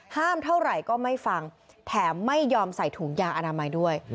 เท่าไหร่ก็ไม่ฟังแถมไม่ยอมใส่ถุงยางอนามัยด้วย